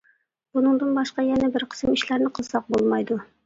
بۇنىڭدىن باشقا، يەنە بىر قىسىم ئىشلارنى قىلساق بولمايدۇ.